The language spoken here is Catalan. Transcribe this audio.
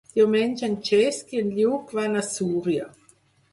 Diumenge en Cesc i en Lluc van a Súria.